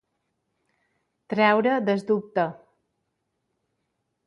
Treure del dubte.